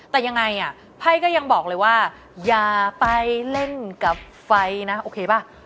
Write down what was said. แต่ยังไงอ่ะไพ่ก็ยังบอกเลยว่าอย่าไปเล่นกับไฟนะโอเคป่ะ